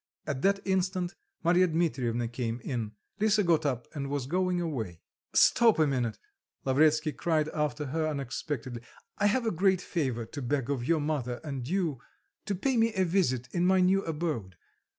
At that instant Marya Dmitrievna came in. Lisa got up and was going away. "Stop a minute," Lavretsky cried after her unexpectedly. "I have a great favour to beg of your mother and you; to pay me a visit in my new abode.